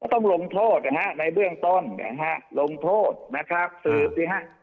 ต้องลงโทษในเรื่องต้นลงโทษนะครับสืบนะครับ